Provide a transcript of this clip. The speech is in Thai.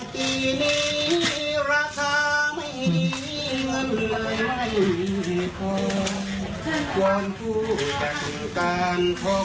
กลับให้การคุมลองแต่ตอนนี้ไม่มีทางหก